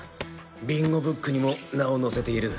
ビンゴブックにも名を載せている。